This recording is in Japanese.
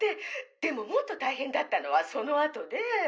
でももっと大変だったのはそのあとで。